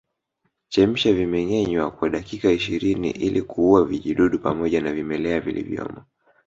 Chemsha vimengenywa kwa dakika ishirini ili kuua vijidudu pamoja na vimelea vilivyomo